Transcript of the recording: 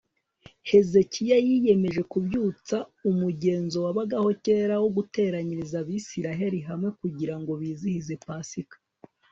hezekiya yiyemeje kubyutsa umugenzo wabagaho kera wo guteranyiriza abisirayeli hamwe kugira ngo bizihize pasika